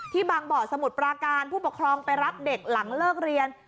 บางบ่อสมุทรปราการผู้ปกครองไปรับเด็กหลังเลิกเรียน